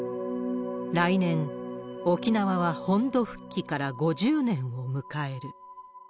来年、沖縄は本土復帰から５０年を迎える。